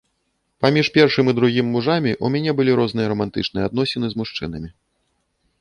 Паміж першым і другім мужамі ў мяне былі розныя рамантычныя адносіны з мужчынамі.